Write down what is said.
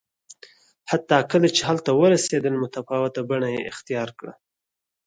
حتی کله چې هلته ورسېدل متفاوته بڼه یې اختیار کړه